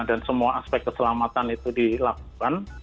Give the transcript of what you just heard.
dan semua aspek keselamatan itu dilakukan